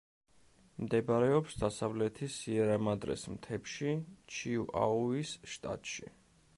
მდებარეობს დასავლეთი სიერა-მადრეს მთებში, ჩიუაუის შტატში.